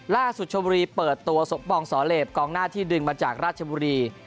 ชมบุรีเปิดตัวสมปองสอเหลบกองหน้าที่ดึงมาจากราชบุรี